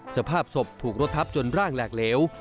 สภาพศพถูกรถทับจนร่างแหลกเหลว